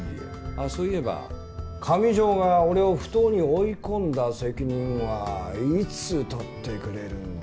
あっそういえば上條が俺を不当に追い込んだ責任はいつ取ってくれるんだ？